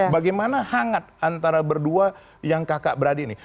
bagaimana hangat antara berdua yang kakak beradik ini